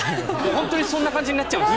本当にそんな感じになっちゃうんです。